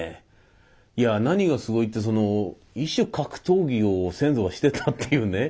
いや何がすごいってその異種格闘技を先祖がしてたっていうね。